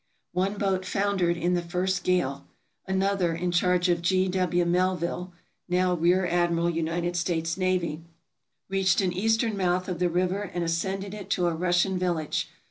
One boat foundered in the first gale. Another, in charge of G. W. Melville (now Rear Admiral, U. S. N.), reached an eastern mouth of the river and ascended it to a Russian village.